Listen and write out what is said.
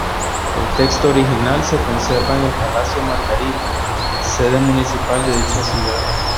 El texto original se conserva en el palacio Margarita, sede municipal de dicha ciudad.